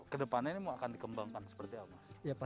kedepannya ini mau akan dikembangkan seperti apa